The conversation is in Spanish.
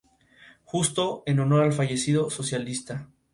Justo", en honor al fallecido socialista.